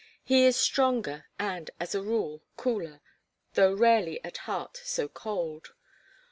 He is stronger and, as a rule, cooler, though rarely, at heart, so cold.